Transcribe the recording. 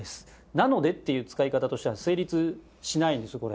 なので」っていう使い方としては成立しないんですこれ。